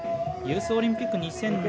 ユースオリンピック２０２０